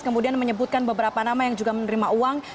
kemudian menyebutkan beberapa nama yang juga menerima uang